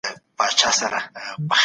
احتیاط کول د سړي لپاره اړین دی.